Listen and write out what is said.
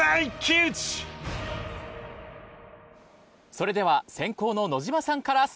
それでは先攻の野島さんからスタートです。